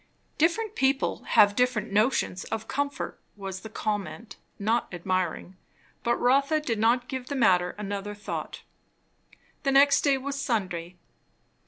"Different people have different notions of comfort," was the comment, not admiring. But Rotha did not give the matter another thought. The next day was Sunday.